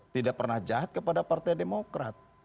tidak pernah jahat kepada partai demokrat